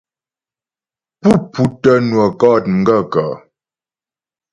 Pú pútə́ nwə kɔ̂t m gaə̂kə́ ?